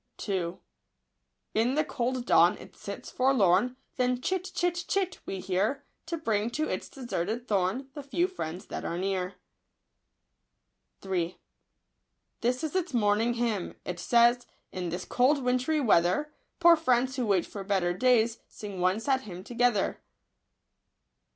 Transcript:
* In the cold dawn it sits forlorn. Then " Chit— chit— chit " we hear. To bring to its deserted thorn Hie few friends that are near. This is its morning hymn. It says, —" this cold wintry weather. Poor friends, who wait for better days, Sing one sad hymn together.